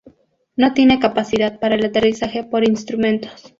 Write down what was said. No tiene capacidad para el aterrizaje por instrumentos.